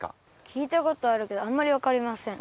きいたことあるけどあんまりわかりません。